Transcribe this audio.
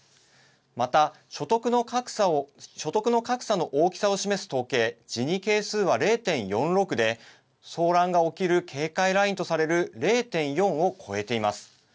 また、所得の格差の大きさを示す統計ジニ係数は０．４６で騒乱が起きる警戒ラインとされる０．４を超えています。